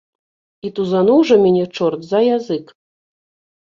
І тузануў жа мяне чорт за язык.